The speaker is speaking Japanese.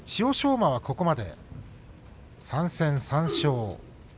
馬はここまで３戦３勝。